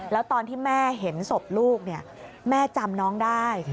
แล้วตอนที่แม่เห็นศพลูกแม่จำน้องได้